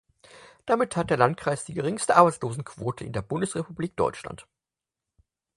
Damit hatte der Landkreis die geringste Arbeitslosenquote in der Bundesrepublik Deutschland.